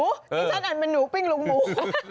นี่ฉันอ่านเป็นหนูปิ้งลุงหมู